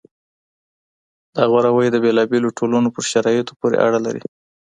دا غوراوی د بیلا بیلو ټولنو په شرایطو پوري اړه لري.